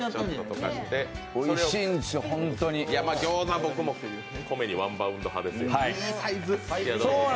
餃子、僕も米にワンバウンド派ですよ。